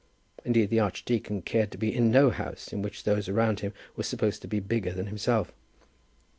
Indeed, the archdeacon cared to be in no house in which those around him were supposed to be bigger than himself.